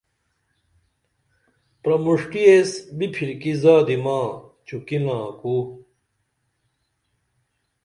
پرمُݜٹی ایس بپھرکی زادی ما چُکنا کُو